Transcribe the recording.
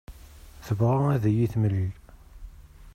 Tebɣa ad yi-temlil.